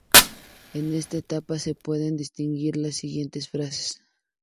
En esta etapa se pueden distinguir las siguientes fases.